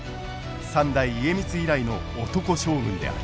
三代家光以来の男将軍である。